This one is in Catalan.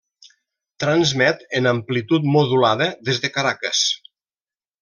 Transmet en Amplitud Modulada des de Caracas.